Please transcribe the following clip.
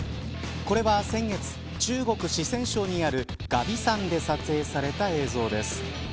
これは先月中国四川省にある峨眉山で撮影された映像です。